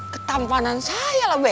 ketampanan saya lah be